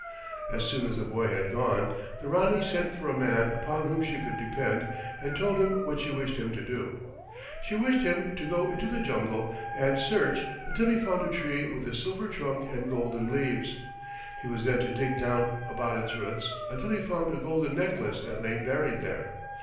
As soon as the boy had gone the Ranee sent for a man upon whom she could depend and told him what she wished him to do. She wished him to go into the jungle and search until he found a tree with a silver trunk and golden leaves. He was then to dig down about its roots until he found a golden necklace that lay buried there.